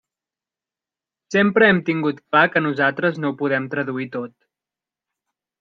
Sempre hem tingut clar que nosaltres no ho podem traduir tot.